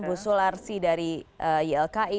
bu sularsi dari ylki